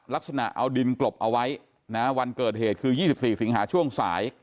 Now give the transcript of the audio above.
ลักษณะเอาดินกลบเอาไว้นะวันเกิดเหตุคือ๒๔สิงหาช่วงสาย